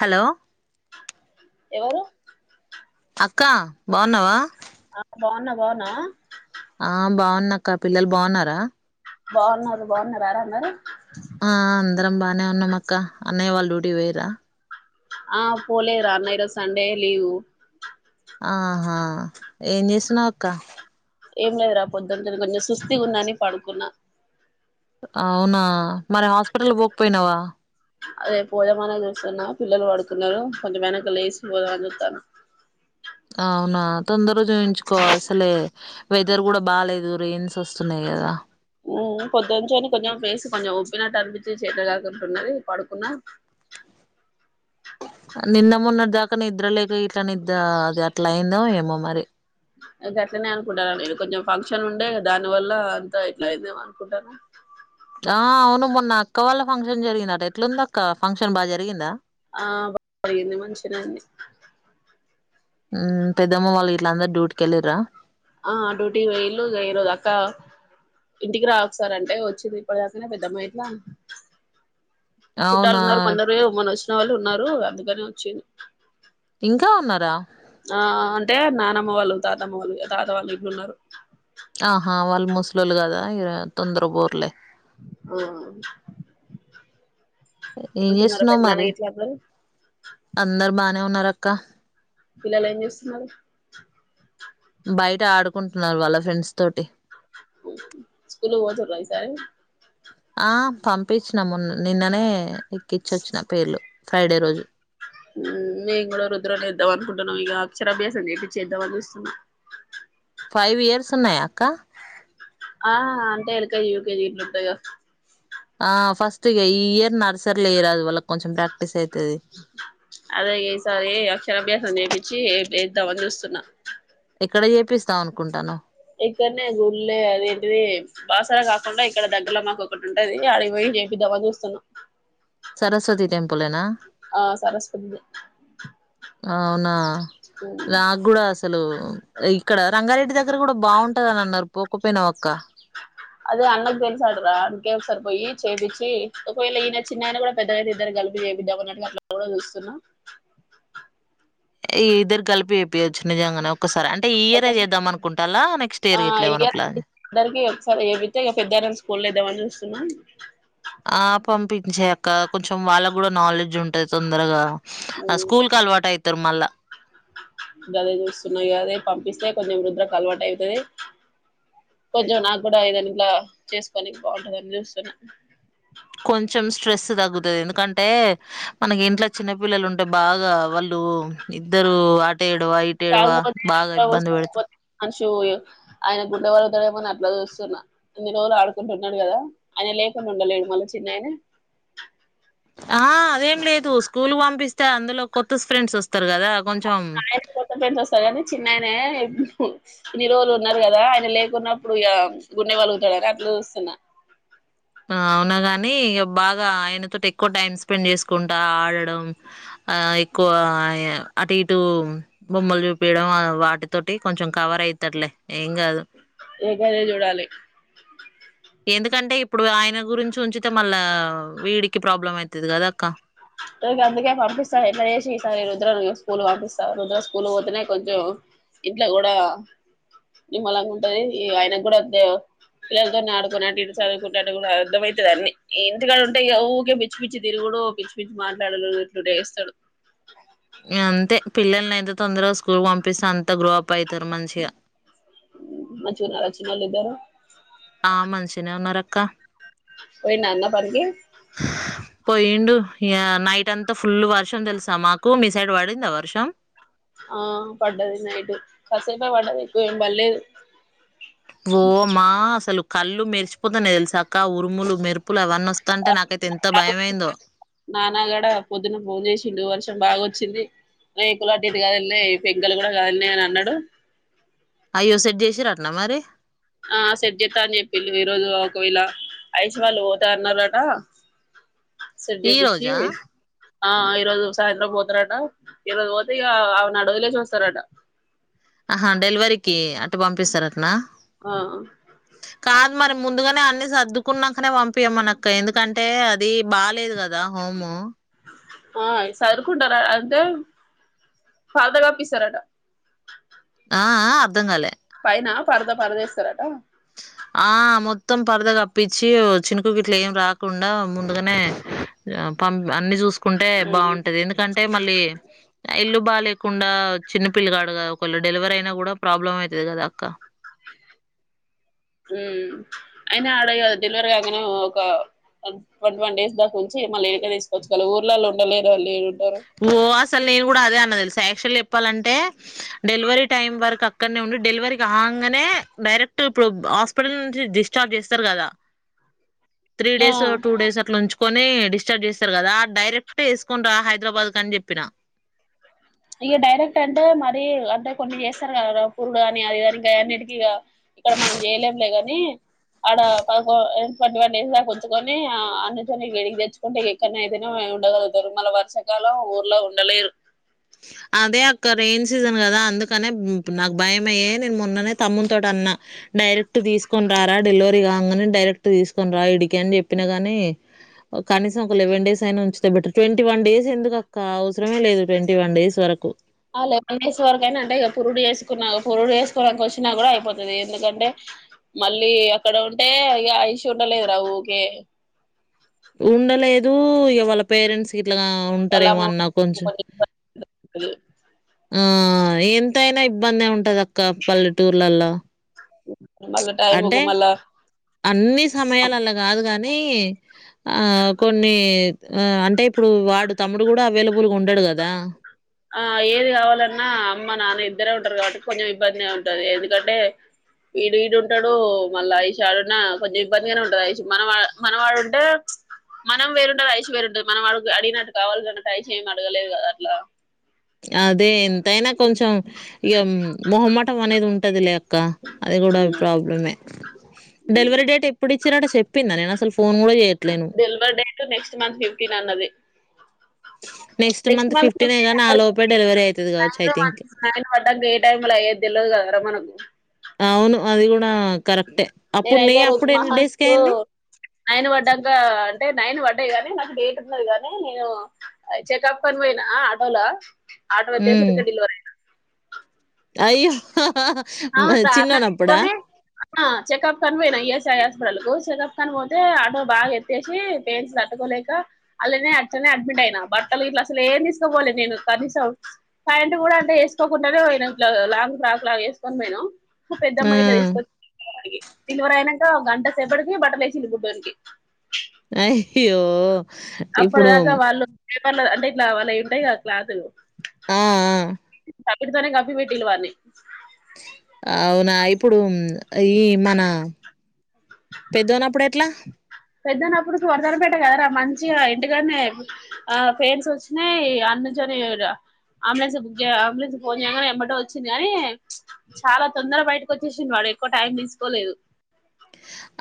Hello ఎవరు అక్క బాగున్నావా ఆ బాగున్నా బాగున్నా ఆ బాగున్నక్క పిల్లలు బాగున్నారా బాగున్నారు బాగున్నారు యాడ ఉన్నారు ఆ అందరం బాగానే ఉన్నామక్క అన్నయ్య వాళ్ళు డ్యూటీ కి పోయిరా ఆ పోలే రా అన్నయ్య ఇరో సండే లీవు ఆహా ఏం చేస్తున్నావు అక్క ఏం లేదు రా పొద్దుంటేను ఇంగ సుస్తిగా ఉందని పడుకున్నా అవునా మరి హాస్పిటల్ కి పోకపోయినావా అదే పోదామనే చూస్తున్నా పిల్లలు పడుకున్నారు కొంచెం వెనకలు లేసి పోదామని చుత్తన్న అవునా తొందర చూయించుకో అసలే వెదర్ కూడా బాలేదు రెయిన్స్ వస్తున్నాయి కదా ఉ పొద్దునుంచి కొంచెం ఫేస్ కొంచెం ఉబ్బినట్టు అనిపించి చెట్లుగాకుంటున్నది పడుకున్న నిన్న మొన్న దాకా నిద్ర లేక ఇట్లా నిద్ద అది అట్లా అయిందో ఏమో మరి గట్లనే అనుకుంటారను ఇది కొంచెం ఫంక్షన్ ఉండే దాని వల్ల అంత ఇట్లా అయిపోయింది అనుకుంటాన్న ఆ అవును మొన్న అక్క వాళ్ళ ఫంక్షన్ జరిగిందట ఎట్లుంది అక్క ఫంక్షన్ బా జరిగిందా ఆ బాగింది మంచిగానే ఉంది ఉ పెద్దమ్మ వాళ్ళు ఇట్ల అందరు డ్యూటికి వెళ్ళిరా ఆ డ్యూటీ వెళ్ళు ఈరోజు అక్క ఇంటికి రా ఒకసారి అంటే వచ్చింది ఇప్పడు దాకనే పెద్దమ్మా ఇట్లా చుట్టాలు అవునా ఉన్నారు కొందరు మొన్న వచ్చిన వాళ్ళు ఉన్నారు అందుకనే వచ్చిది ఇంకా ఉన్నారా ఆ అంటే నానమ్మ వాళ్ళు తాతమ్మ వాళ్ళు ఆ తాతవాళ్ళు వీళ్ళు ఉన్నారు ఆహా వాళ్ళు ముస్లోలు కదా తొందర బోర్లే ఆ ఏం మంచిగున్నారా చేస్తున్నావు పెద్దనాన్న మరి గిట్ల అందరూ అందరు బానే ఉన్నారు అక్క పిల్లలు ఏం చేస్తున్నారు బయట ఆడుకుంటున్నారు వాళ్ళ ఫ్రెండ్స్ తోటి స్కూలు పోతుంద్రా ఈ సారి ఆ పంపించిన మొన్న నిన్ననే ఎక్కించొచ్చిన పేర్లు ఫ్రైడే రోజు హు మేము కూడా రుద్రనేద్దాం అనుకుున్నాం. ఇగ అక్షర అభ్యాసం చేపిచేద్దాం అని చూస్తున్నా. ఫైవ్ ఇయర్స్ ఉన్నాయా అక్క ఆ అంటే ఎలుక [unintelligible] ఉంటయో ఆ ఫస్ట్ ఇగ ఈ ఇయర్ నర్సరీలోయ్యరాదు వాళ్ళకి కొంచెం ప్రాక్టీస్ అయితది. అదే ఇగ ఈ సారి అక్షరాభ్యాసం చేపించి ఏద్దామని చూస్తున్న ఎక్కడ చేపిస్తావ్ అనుకుంటానవ్ ఇక్కడనే గుళ్లే అదేంటిది బాసర కాకుండా ఇక్కడ దగ్గరలో మాకు ఒకటి ఉంటది, అడి పోయి చేయిద్దామని చూస్తున్నా. సరస్వతి టెంపుల్ ఏనా ఆ సరస్వతి అవునా నాక్ కూడా స్ అసలు ఇక్కడ రంగారెడ్డి దగ్గర కూడా బాగుంటందని అన్నారు పోకపోయినా అక్క అదే అన్నకు తెలిసాడరా ఆడికే ఒకసారి పోయి చేపిచ్చి ఒకవేళ ఈయన చిన్న ఆయన కూడా పెద్దగయితే ఇద్దరు కలిపి చూపిద్దామని అన్నట్టు అట్ల కూడా చూస్తున్నా. ఈ ఇద్దరు కలిపి చెపియొచ్చు నిజాంగానే ఒసారి అంటే ఈ ఇయర్ అది ఒకసా చేద్దామ అనుకుంటాల నెక్స్ట్ ఇయర్ గిట్ల ఏమన్నా ప్లాన్ దానికి ఒకసారి ఏపిచ్చే ఇగ పెద్దానాని స్కూల్ లో ఎద్దామని చూస్తున్నా ఆ పంపించేయి అక్క కొంచెం వాళ్ళకు కూడా నాలెడ్జ్ ఉంటది తొందరగా ఆ స్కూల్ కు అలవాట అయితారు మల్ళా అదే చూస్తున్నా ఇగ అదే పంపిస్తే కొంచెం వృద్రకు అలవాటు అవుతది కొంచెం నాకు కూడా ఏదంట్లా చేసుకోడానికి బాగుంటందని చూస్తున్నా కొంచెం స్ట్రెస్ తగ్గుతది ఎందుకంటే మనకి ఇంట్లో చిన్నపిల్లలు ఉంటే బాగా వాళ్ళు ఇద్దరు ఆటు ఏడువ ఇటు ఏడువ బాగా ఇబ్బంది పెడతా అన్షు ఆయన గుండె పలుగుతాడేమో అని అట్లా చూస్తున్నా అన్ని రోజలు ఆడుకుంటున్నాడు కదా అని లేకుండా ఉండలేడు మళ్ళీ చిన్నయన ఆహా అదేం లేదు స్కూల్ కు పంపిస్తే అందులో కొత్త ఫ్రెండ్స్ వస్తారు కదా కొంచెం ఆయన కి కొత్త ఫ్రెండ్స్ వస్తారు కానీ చిన్నయనే ఇన్ని రోజులు ఉన్నారు కదా ఆయన లేకున్నప్పుడు ఇగ గుండె వలుగుతాడని అట్ల చూస్తున్నా అవునా గాని ఇగ బాగా ఆయనతోటి ఎక్కువ టైమ్ స్పెండ్ చేసుకుంటా ఆడడం ఆ ఎక్కువ ఆయా అటు ఇటు బొమ్మలు చూపియడం ఆ వాటితోటి కొంచెం కవర్ అయితర్లే ఏం కాదు ఏక్కే దా జుడాలీ ఎందుకంటే ఇప్పుడు ఆయన గురించి ఉంచితే మళ్ళా వీడికి ప్రాబ్లం అయితది కదా అక్క ఇగ అందుకే పంపిస్తా ఎట్లా చేసి ఈ సారి రుద్ర స్కూల్ పంపిస్తా రుద్ర స్కూల్ పోతేనే కొంచెం ఇంట్లో కూడా నిమ్మలంగ ఉంటది ఈ ఆయనకు కూడా పిల్లలతో ఆడుకున్నట్టు ఇటు చదువుకున్నట్టు కూడా అర్థంమయితది అన్ని ఇంటికాడ ఉంటే ఇగ ఊకే పి పిచ్చి పిచ్చి తిరుగుడు పిచ్చి మాట్లాడుడు ఇట్లుడు ఏస్తడు అంతే పిల్లల్ని అయితే తొందరగా స్కూల్ కి పంపిస్తే అంత గ్రో అప్ అయితారు మంచిగా మంచుగున్నారా చిన్నోళ్ళు ఇద్దరు ఆ మంచినే ఉన్నారక్క పోయిన్న అన్న పనికి పోయిండు ఇగ నైట్ అంతా ఫుల్ వర్షం తెలుసా మాకు మీ సైడ్ పడిందా వర్షం. ఆ పడ్డది నైటు కసేపు పడ్డది ఎక్కువ ఏం పలేదు ఓమా అసలు కళ్ళు మెరిచసిపోతాన్నాయ్ తెలుసాక్క ఉరుములు మెరుపులు అవన్న వస్తా అంటే నాకైతే ఎంత భయమైందో నాన్నగడ పొద్దున్న ఫోన్ చేసిండు వర్షం బాగాొచ్చింది రలు అటుఇటు కదిలీనై పెంకల్ కూడా కదిలీనాయి అని అన్నాడు అయ్యో సెట్ చేసిర్రా అట్ల మరి ఆ సెట్జత్తా అని చెప్పి ఈ రరోజు ఒకవేళ అఐసి వాళ్ళు పోత అన్నారట సెట్ ఈ చేపిచ్చి రోజా ఆ ఈ రోజు సాయంత్రం పోతారట ఈ రోజు పోతే ఇక ఆ నడు వదిలే చూస్తారట ఆహా డెలివరీకి అటు పంపిస్తారు అటనా ఆ కాదు మరి ముందుగనే అన్ని సర్దుకున్నాకనే పంపియ మను అక్క ఎందుకంటే అది బాలేదు కదా దా హము ఆ సదుకుంటార అంటే ఫాదర్ ఆఫీసారట ఆ ఆ అర్ధం కాలే పైన పరదా పరదే ఎస్తారట ఆ మొత్తం పరదగా అప్పించి చినుకు ఇట్లు ఏం రాకుండా ముందుగానే పంప్ అన్ని చూసుకుంటే మ్మ్ బాగుంటది ఎందుకంటే మళ్ళీ ఇల్లు బాలేకుండా చిన్న పిల్లు కాడు కదా ఒకళు డెలివరీ అయినా కూడా ప్రాబ్లం అవుతుంది కదా అక్క హ అయినా ఆడ డెలివర కాగానే ఒక ట్ంటీ వన్ డేస్ దాకా నుంచి మళ్ళీ ఇడికే తీసుకోవచ్చు కలా ఊర్లలోళ ఉండలేరు వాళ్ళు ఏడుంటారు ఓ అసలు నేను కూడా అదే అన్న తెలుస యాక్టుల్ల్య్ చెప్పాలంటే డెలివరీ టైం వరకు అక్కడనే ఉండి డెలివరీకి కాగానే డైరెక్ట్ ఇప్పుడు హాస్పిటల్ డిశచార్బ్ చేస్తారు కదా త్రీ డేస్ ఆ టూ డేస్ అట్లా ఉంచుొని డిశ్చార్జ్ చేస్తారు కదా డైరెక్ట్ వేసుకుని రా హై హైదరాబాద్ కాని చెప్పినా ఇక డైరెక్ట్ అంటే మరి అంటే కొన్ని చేస్తారు కదా పూరుడు కాని అది కాని ఇంకా అన్నిటికిీక ఇక్కడ మనం చేయలేంలే గాని ఆడ ప ట్వంటీ వన్ డేస్ ఉంచుకొని ఆ అన్నితోని గడిగి తెచ్చు ంటే ఎక్కడ అయితేనా ఉండగలుగుతారు మళ్ళ వర్షకాలం ఊర్లో ఉండలేరు అదే అక్క రెయిన్ సీజన్ కదా అందుకనే నాకు భయం అయ్యే నేను మొన్ననే తమ్మున్ తోటి అన్నా డైరెక్ట్ తీసుకొని రారా డెలివరీ కాగానే డైరెక్ట్ తీసుకొని రా ఇడికి అని చెప్పినా గాని కనీసం లవెన్ డేస్ అయినా ఉంచితే బెర్ ట్ంటీ వన్ డేస్ ఎందుకు అక్క అవసరే లేదు ట్వంటీ వన్ డేస్ వరకు ఆ లెవెన్ డేస్ వరకు అయినంటే ఇక పరుడు చేేసుకున్నా పురుడు వేసుకోవడానికి వచ్చినా కూడా అయిపోతుంది ఎందుకంటే మళ్ళీ అక్కడ ఉంటే ఇగ ఐషు చూండలేదు రా ఊకే ఉండలేదు ఇక వాళ్ళ పేరెంట్స్ ఇట్లాగా ఉంటార వాళ్ళ ఏమన్నా కొంచెం అమ్మ ఆ ఎంతైనా ఇబ్బందె ఉంటది అక్క పల్లెటూర్లలో మళ్ళ టైముకు మళ్ళ అన్ని సమయాలల్ల గాదు గనీ ఆ కొన్ని ఆ అంటే ఇప్పుడు వాడు తమ్ముడు గూడా అవెలబులుగుడుండడు గదా ఆ ఏది గావాలన్నా అమ్మ నాన్న ఇద్దరే ఉంటరు కాబట్టి కొంచెం ఇబ్బందిగ ఉంటది ఎందుకంటే ఈడీ ఇ డుంటడు మళ్ళా ఈ షాడున్నా కొంచెం ఇబ్బందిగానే ఉంటది ఐశుక్ మనం ఆ మన మాడుంటే మనం వేరుంటది ఐశ్వేరుంటది మనం అడు అడిగినట్టు కావాలి అన్నట్టు ఐశ్ ఏమడగలేదు గదా అట్లా అదే ఎంతైన కొంచెం ఇగ మొహమటం అనేది ఉంటదిలే అక్క అది గూడా ప్రాబ్లమే డెలివరీ డేట్ ఎప్పుడు ఇచ్చిర్రట చెప్పిందా నేను అసలు ఫోన్ గుడా చేయ delivery date next month fifteen అన్నది నెక్స్ మంత్ గానీ ఆ లోపే డెలివరీ అయితది గావచ్చు ఐ థింక్. [unintelligible] ఏ టైమ్లా అయేద్ తెల్వదు గదరా మనకు అవును అది గూడా కరెక్టే అప్పుడు నే నేనైతే ఎన్ మహాన్స్ కు సేస్కయింది నైన్ పడ్డంక అంటే నైన్ పడ్డయి గనీ నాకు డేట్ ఉన్నది కానీ నేను చెకప్ కని వొయినా ఆటోల ఆటో హ్మ్. ఎత్తేసుడుకే డెలివరీ అయింది అయ్యో మా అవును రా అన్నం చిన్నోనప్పుడా తీసుకొని చెకప్ కని పోయినా ఐఎస్ఐ హాస్పిటల్కు చెకప్ కని పోతే ఆటో బాగ ఎత్తేశి పెయిన్స్ తట్టుకోలేక అల్లనే అట్లనే అడ్మిట్ అయినా బట్టలు గిట్ల అసలేం తీస్కోపోలేదు నేను కనీసం పైంట్ గూడ అంతే ఏసుకోకుండనే వొయిన లాంగ్ ఫ్రాక్ లాగ ఏస్ కొని పొయినం మ పెద్దమ్మ గిట్లా ఆ! తీసుకొచ్చ [unintelligible] డెల్వరైనంక గంటసేపటికి బట్టలేసిర్రు బుడ్డోనికి అయ్యో ఇప్పుడు అప్పటిదాకా వాళ్ళు పేపర్ల అంటే ఇట్ల వాళ్ళయింటయి గదా క్లాతులు ఆ అవ్వీటితోనే గప్పిపెట్టిల్వలి అవునా ఇప్పుడు ఈ మన పెద్దోన్నప్పుడెట్లా పెద్దోన్నప్పుడు వర్ధనపేట గదరా మంచిగ ఇంటికాడనే అయ్యే ఆ పేన్స్ ఒచ్చినయ్ అన్నజరీర అంబులన్స్ బుక్ చేయి అంబులన్స్ ఫోన్ చేయంగనే ఎమ్మటే ఒచ్చింది గానీ చాలా తొందర బయటికొచ్చేశిండు వాడు ఎక్కువ టైం తీస్కోలేదు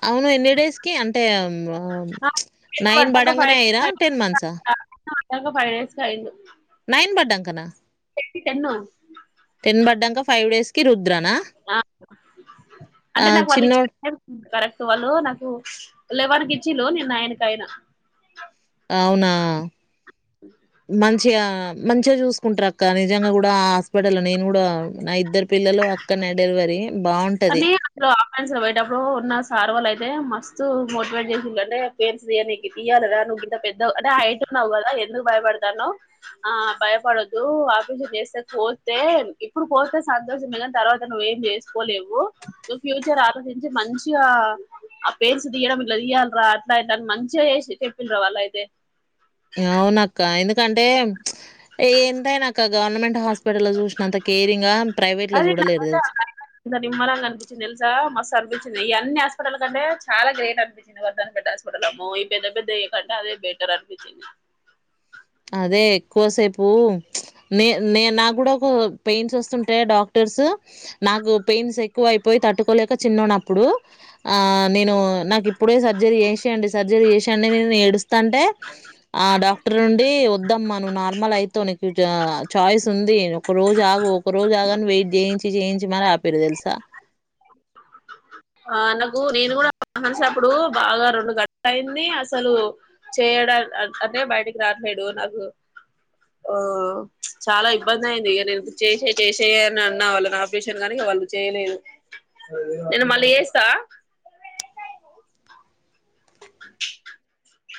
అవును ఎన్ని డేస్కి అంటే ఆ నైన్ పడ్డాక బడంగానే ఫైవ్ ఐర్రా టెన్ మంత్సా [unintelligible] ఫైవ్ డేస్కి అయింది నైన్ బడ్డంకనా టెన్ బడ్డంక ఫైవ్ డేస్ కి రుద్రనా ఆ చిన్నోడ్ కరక్ట్ వాళ్ళు నాకు లెవెన్కిచ్చిళ్ళు నేన్ నైన్కయిన అవునా మంచిగా మంచిగా చూస్కుంటారక్క నిజంగా గూడా ఆ హాస్పిటల్ల నేను గూడా నా ఇద్దరు పిల్లలు క్కన్నే డెల్వరీ బావుం కానీ అందులో [unintelligible] పోయేటప్పుడు ఉన్న సార్ వాళ్ళయితే మస్తుత్ మోటివేట్ చేసిళ్ళు అంటే పేన్స్ తీయనీకి తియ్యాలేరా నువ్వు గింత పెద్ద అంటే హైట్ ఉన్నావ్ గదా ఎందుకు భయవడతానవ్ ఆ బాయిపడద్దు ఆపరేషన్ చేస్తే కోత్తే ఇప్పుడు కోస్తే సంతోషమే గని తర్వాత నువ్వేం ఎం చేస్కోలేవు నువ్ ఫ్యూచర్ ఆలోచించి మంచిగా ఆ పేన్స్ దీయడం ఇట్ల దియ్యాల్ రా అట్ల ఇట్లని మంచిగా చేశి చెప్పిల్ర వాళ్ళయితే అవునక్క ఎందుకంటే ఎంతైనక్క గవర్నమెంట్ హాస్ప్ టల్ల చూశినంత కేరింగ్గ ప్రైవేట్ల జూడలేరు తెల్స్ ఇంత నిమ్మలంగా అనిపించిందో తెల్సా మస్తానంపించింది ఇయాన్ని హాస్పిటల్కంటే చిన్న గడ్డని పెద్ద హాస్పటల్ల అమ్మా ఈ పెద్దగడ్డే అదే బెటర్ అనిపించింది అదే ఎక్కువ సేపు నే నే నాగ్గూడా ఒక పెయిన్స్ ఒస్తుంటే డాక్టర్స్స నాకు పెయిన్స్ ఎక్కువ అయిపోయి తట్టుకోలేక చిన్నన్నప్పుడు నేను నాకు ఇప్పుడే సర్జరీ చేస్ [unintelligible] సర్జరీ చేసి ఎడుస్తాంటే ఆ డాక్టర్ వద్దమ్మ నువ్వు నార్మల్ అయితవ్ [unintelligible] నీకు చాయిస్ ఉంది ఒక రోజు ఆగు ఒక రోజు ఆగాని వెయిట్ చేయిం చేయించి మరి ఆ పిరు తెలుసా ఆ నాకు నేను కూడ [unintelligible] బాగా రొండు గంటల అయింది అసలు చేయడా అదే బయటికి [unintelligible] ఆ చాలా ఇబ్బంది అయింది ఇక నేను చేసే చేసేయ అని అన్నా వాళ్ళ నాపేషన్ కానీ వాళ్ళు చేయలేదు నేను మళ్ళీ చేస్త